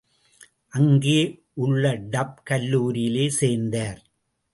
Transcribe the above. அங்கே உள்ள டப் கல்லூரியிலே சேர்ந்தார்.